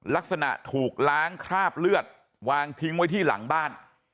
ลักษณะถูกล้างคราบเลือดวางทิ้งไว้ที่หลังบ้าน